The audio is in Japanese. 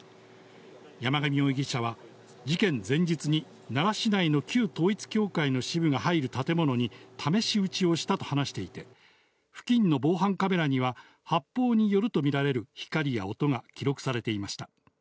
山上容疑者は事件前日に奈良市内の旧統一教会の支部が入る建物に試し撃ちをしたと話していて、付近の防犯カメラには発砲によるとみられる光や音が記録されていました。